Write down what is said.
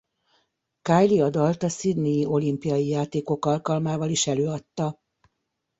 Kylie a dalt a Sydney-i olimpiai játékok alkalmával is előadta.